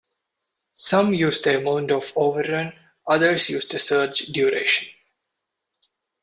Some use the amount of overrun; others use the surge duration.